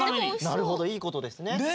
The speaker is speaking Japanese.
なるほどいいことですね。